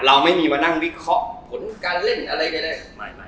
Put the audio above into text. เราไม่มีมานั่งวิเคราะห์ผลการเล่นอะไรใด